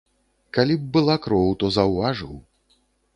Калі б была кроў, то заўважыў.